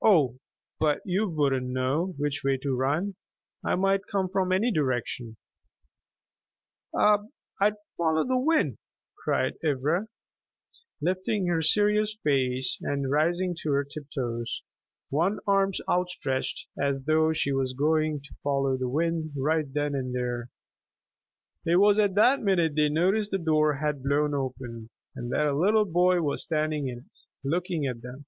"Oh, but you wouldn't know which way to run. I might come from any direction." "I'd follow the wind," cried Ivra, lifting her serious face and rising to her tiptoes, one arm outstretched, as though she were going to follow the wind right then and there. It was at that minute they noticed the door had blown open, and that a little boy was standing in it, looking at them.